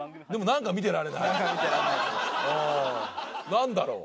何だろう？